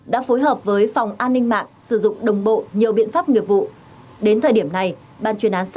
đã phối hợp với phòng an ninh mạng sử dụng đồng bộ nhiều biện pháp nghiệp vụ